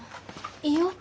いいよ。